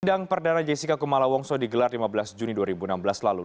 sidang perdara jessica kumala wongso digelar lima belas juni dua ribu enam belas lalu